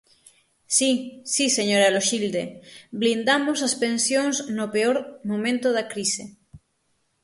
Si, si señora Loxilde, blindamos as pensións no peor momento da crise.